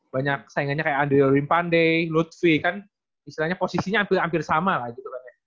banyak saingannya kayak andriy rimpande lutfi kan istilahnya posisinya hampir sama lah gitu kan ya